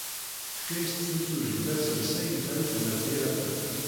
Tefka-as temsujjit asersay i Farid n At Yiraten.